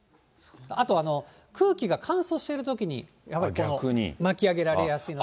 あと、空気が乾燥しているときに、巻き上げられやすいんで。